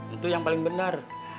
itu yang paling benar